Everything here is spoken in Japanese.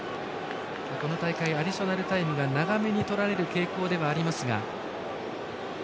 この大会アディショナルタイムが長めにとられる傾向ではあります。